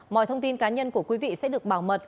mọi thông tin cá nhân của quý vị sẽ được bảo mật